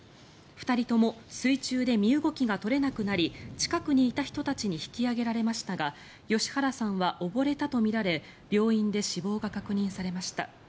２人とも水中で身動きが取れなくなり近くにいた人たちに引き上げられましたが吉原さんは溺れたとみられ病院で死亡が確認されました。